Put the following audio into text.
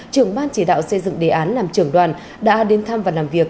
trưởng ban chỉ đạo xây dựng đề án làm trưởng đoàn đã đến thăm và làm việc